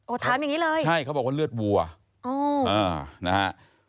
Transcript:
ถามอย่างนี้เลยใช่เขาบอกว่าเลือดวัวอ๋อนะฮะ